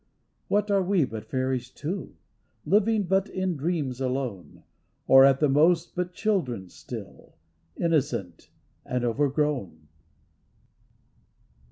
What are we but fairies too, Living but in dreams alone. Or, at the most, but children still, Innocent and overgrown?